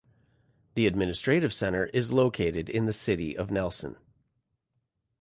The administrative centre is located in the city of Nelson.